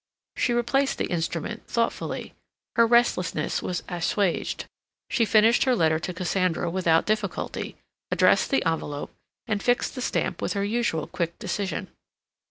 She replaced the instrument, thoughtfully; her restlessness was assuaged; she finished her letter to Cassandra without difficulty, addressed the envelope, and fixed the stamp with her usual quick decision.